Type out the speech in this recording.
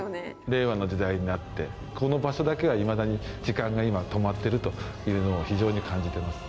令和の時代になって、この場所だけがいまだに時間が今、止まってるというのを非常に感じています。